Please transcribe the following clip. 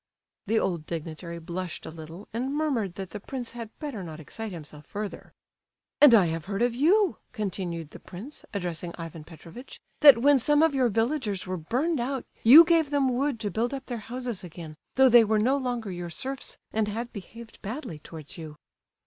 The old dignitary blushed a little, and murmured that the prince had better not excite himself further. "And I have heard of you," continued the prince, addressing Ivan Petrovitch, "that when some of your villagers were burned out you gave them wood to build up their houses again, though they were no longer your serfs and had behaved badly towards you."